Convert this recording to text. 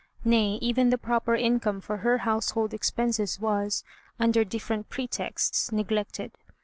Nay, even the proper income for her household expenses was, under different pretexts, neglected.